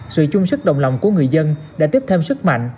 sự chung sức đồng lòng của người dân đã tiếp thêm sức mạnh